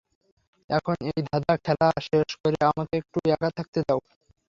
এখন এই ধাঁধা খেলা শেষ করে আমাকে একটু একা থাকতে দাও।